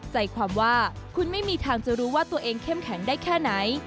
ใจความว่าคุณไม่มีทางจะรู้ว่าตัวเองเข้มแข็งได้แค่ไหน